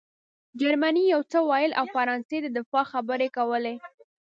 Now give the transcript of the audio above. جرمني یو څه ویل او فرانسې د دفاع خبرې کولې